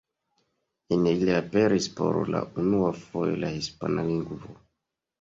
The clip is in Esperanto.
En ili aperis por la unua fojo la hispana lingvo.